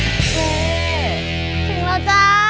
นี่ถึงแล้วจ้า